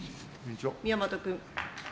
宮本君。